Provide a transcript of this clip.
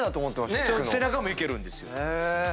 背中もいけるんですよ。